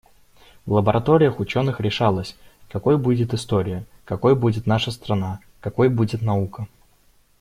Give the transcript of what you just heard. В лабораториях ученых решалось, какой будет история, какой будет наша страна, какой будет наука.